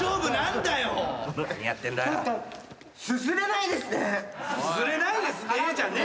「すすれないですね」